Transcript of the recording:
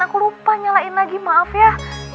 aku lupa nyalain lagi maaf ya